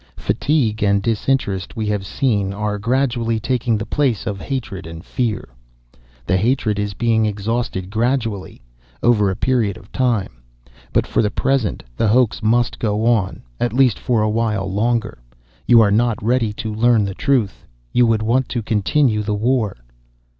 Fatigue and disinterest, we have seen, are gradually taking the place of hatred and fear. The hatred is being exhausted gradually, over a period of time. But for the present, the hoax must go on, at least for a while longer. You are not ready to learn the truth. You would want to continue the war."